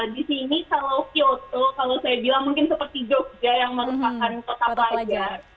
di sini kalau kyoto kalau saya bilang mungkin seperti jogja yang merupakan kota pelajar